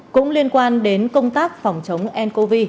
cũng liên quan đến công tác phòng chống ncov